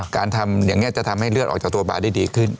การทำอย่างนี้จะทำให้เลือดออกจากตัวบาร์ได้ดีขึ้น